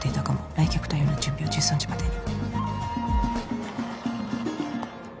来客対応の準備は１３時までに。」